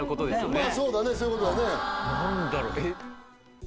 まあそうだねそういうことだね何だろうえっ？